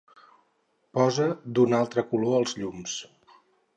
Posa d'un altre color els llums.